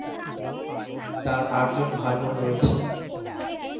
তার আটজন ভাইবোন রয়েছে।